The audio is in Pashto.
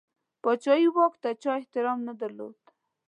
پاچهي واک ته چا احترام نه درلود.